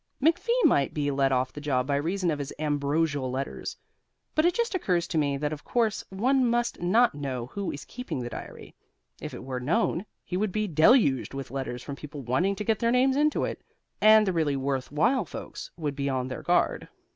McFee might be let off the job by reason of his ambrosial letters. But it just occurs to me that of course one must not know who is keeping the diary. If it were known, he would be deluged with letters from people wanting to get their names into it. And the really worthwhile folks would be on their guard.